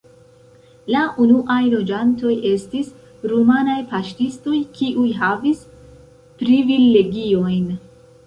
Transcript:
La unuaj loĝantoj estis rumanaj paŝtistoj, kiuj havis privilegiojn.